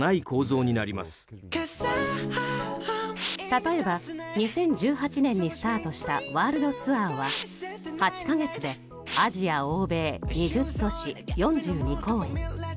例えば、２０１８年にスタートしたワールドツアーは８か月でアジア、欧米２０都市、４２公演。